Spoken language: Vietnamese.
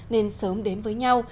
nên sớm đến với nhau